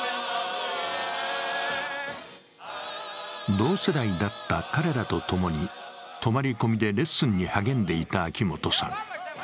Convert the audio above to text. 同世代だった彼らとともに、泊まり込みでレッスンに励んでいた秋本さん。